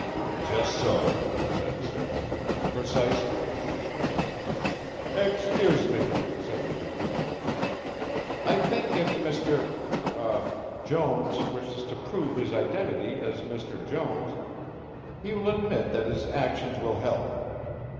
"Just so," said Simms, "precisely " "Excuse me," said the Duke of Melford, "I think if Mr. er Jones wishes to prove his identity as Mr. Jones he will admit that his actions will help.